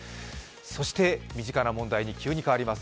そして身近な問題に急に変わります。